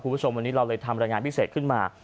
คุณผู้ชมวันนี้เราเลยทำรายงานพิเศษขึ้นมา